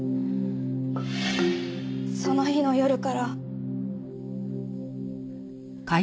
その日の夜から。